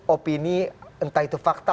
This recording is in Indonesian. opini entah itu fakta